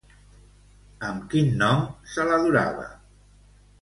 Amb quin nom se l'adorava?